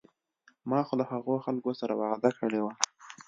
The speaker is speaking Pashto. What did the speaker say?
ما خو له هغو خلکو سره وعده کړې وه.